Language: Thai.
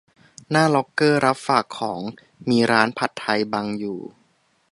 หน้าล็อกเกอร์รับฝากของ มีร้านผัดไทยบังอยู่